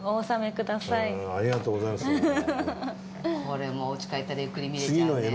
これもうお家帰ったらゆっくり見れちゃうね。